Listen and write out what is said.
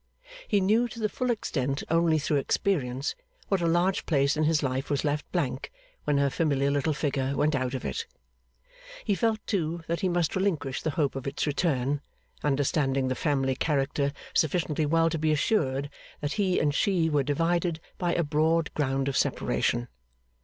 He knew to the full extent only through experience, what a large place in his life was left blank when her familiar little figure went out of it. He felt, too, that he must relinquish the hope of its return, understanding the family character sufficiently well to be assured that he and she were divided by a broad ground of separation.